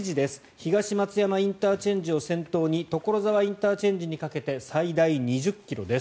東松山ＩＣを先頭に所沢ＩＣにかけて最大２０ｋｍです。